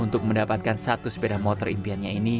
untuk mendapatkan satu sepeda motor impiannya ini